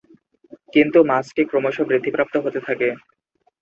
কিন্তু মাছটি ক্রমশ বৃদ্ধিপ্রাপ্ত হতে থাকে।